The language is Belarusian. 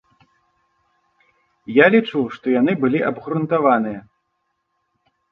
Я лічу, што яны былі абгрунтаваныя.